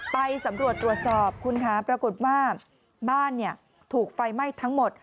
ไปสำรวจตรวจสอบคุณคะปรากฏว่าบ้านถูกไฟไหม้ทั้งหมด